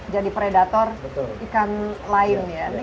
jadi predator ikan lain ya